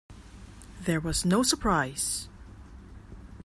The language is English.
There was no surprise.